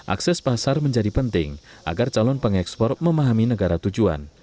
akses pasar menjadi penting agar calon pengekspor memahami negara tujuan